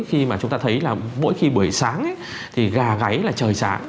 khi mà chúng ta thấy là mỗi khi buổi sáng thì gà gáy là trời sáng